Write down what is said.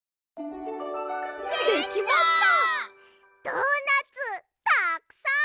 ドーナツたくさん！